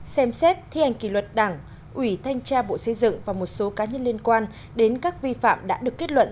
tổ chức đảng ủy và tổng công ty đã kiểm tra bộ xây dựng và một số cá nhân liên quan đến các vi phạm đã được kết luận